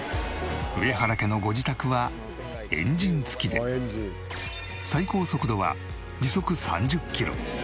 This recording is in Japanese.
上原家のご自宅はエンジン付きで最高速度は時速３０キロ。